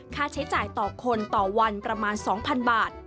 ค่าใช้จ่ายต่อคนต่อวันประมาณ๒๐๐๐บาท